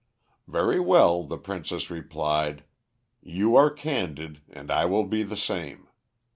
"'Very well,' the princess replied, 'you are candid and I will be the same.